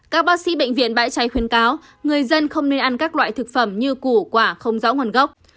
các bác sĩ bệnh viện bãi cháy khuyến cáo người dân không nên ăn các loại thực phẩm như củ quả không rõ nguồn gốc